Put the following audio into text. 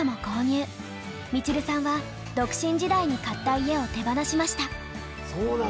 みちるさんは独身時代に買った家を手放しました。